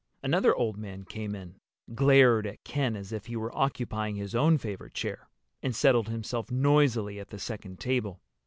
Another old man came in, glared at Ken as if he were occupying his own favorite chair, and settled himself noisily at the second table.